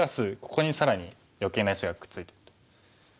ここに更に余計な石がくっついてる。